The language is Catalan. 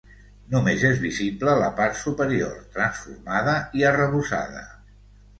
Només és visible la part superior, transformada i arrebossada.